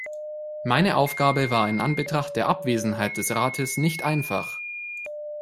Meine Aufgabe war in Anbetracht der Abwesenheit des Rates nicht einfach.